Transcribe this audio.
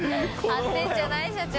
貼ってるんじゃない？社長。